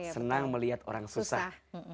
senang melihat orang susah